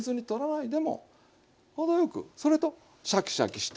程よくそれとシャキシャキして。